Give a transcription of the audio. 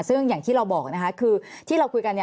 ซึ่งอย่างที่เราบอกนะคะคือที่เราคุยกัน